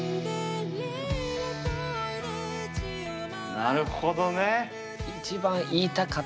なるほどね。